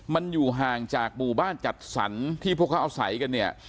มันอยู่ห่างจากหมู่บ้านจัดสรรที่พวกเขาอาศัยกันเนี่ย